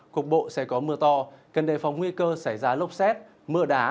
cục bộ sẽ có mưa to cần đề phòng nguy cơ xảy ra lốc xét mưa đá